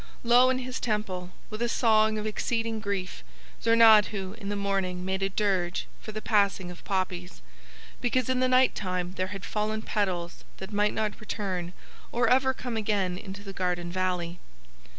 Low in his Temple, with a song of exceeding grief, Zornadhu in the morning made a dirge for the passing of poppies, because in the night time there had fallen petals that might not return or ever come again into the garden valley.